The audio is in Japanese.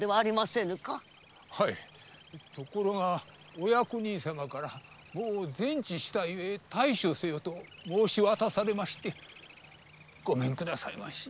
はいところがお役人様からもう全治したゆえ退所せよと申し渡されましてごめんくださいまし。